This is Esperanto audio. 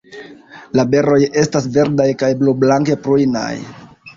La beroj estas verdaj kaj blublanke prujnaj.